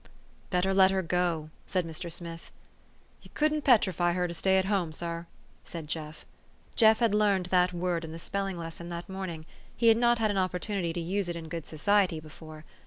" Better let her go," said Mr. Smith. " You couldn't petrify her to stay at home, sar," said Jeff. Jeff had learned that word in the spell ing lesson that morning : he had not had an oppor tunity to use it in good society before.